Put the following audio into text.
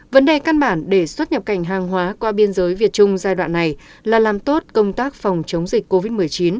vấn đề căn bản để xuất nhập cảnh hàng hóa qua biên giới việt trung giai đoạn này là làm tốt công tác phòng chống dịch covid một mươi chín